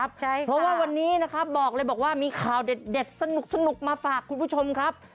เพราะว่าวันนี้นะครับบอกเลยบอกว่ามีข่าวเด็ดสนุกมาฝากคุณผู้ชมครับ